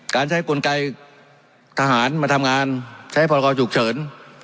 การใช้กลไกทหารมาทำงานใช้พรกรฉุกเฉิน